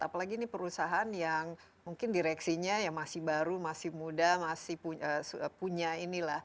apalagi ini perusahaan yang mungkin direksinya yang masih baru masih muda masih punya inilah